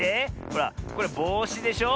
ほらこれぼうしでしょ。